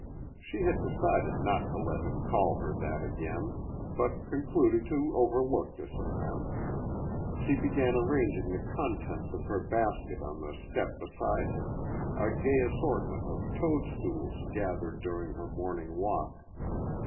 She had decided not to let him call her that again, but concluded to overlook this offense. She began arranging the contents of her basket on the step beside her a gay assortment of toadstools gathered during her morning walk.